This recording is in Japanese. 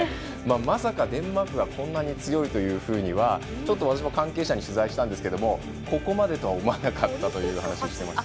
まさかデンマークがこんなに強いというふうにはちょっと私も関係者に取材したんですけどここまでとは思わなかったという話でした。